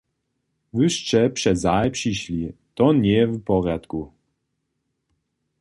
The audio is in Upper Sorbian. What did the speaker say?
Wy sće přezahe přišli, to njeje w porjadku.